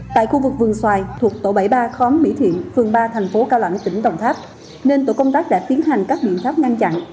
tại khu vực vườn xoài thuộc tổ bảy mươi ba khóm mỹ thiện phường ba thành phố cao lãnh tỉnh đồng tháp nên tổ công tác đã tiến hành các biện pháp ngăn chặn